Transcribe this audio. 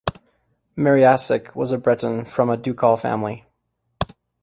Meriasek was a Breton from a ducal family.